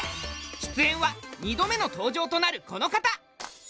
出演は２度目の登場となるこの方！